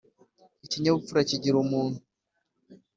ikinyabupfura kigira umuntu